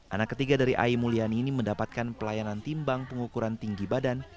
anak ketiga dari ai mulyani ini mendapatkan pelayanan timbang pengukuran tinggi badan